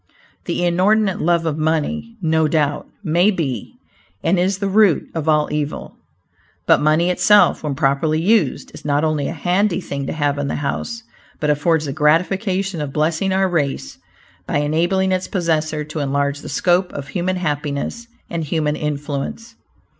The inordinate love of money, no doubt, may be and is "the root of all evil," but money itself, when properly used, is not only a "handy thing to have in the house," but affords the gratification of blessing our race by enabling its possessor to enlarge the scope of human happiness and human influence.